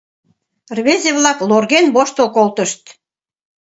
Рвезе-влак лорген воштыл колтышт.